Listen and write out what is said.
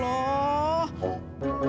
ya pak sofyan